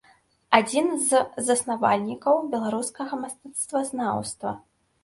Адзін з заснавальнікаў беларускага мастацтвазнаўства.